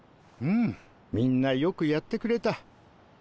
うんみんなよくやってくれた。